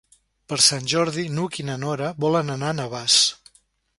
Per Sant Jordi n'Hug i na Nora volen anar a Navàs.